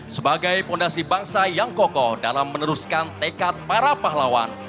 sebagai fondasi bangsa yang kokoh dalam meneruskan tekad para pahlawan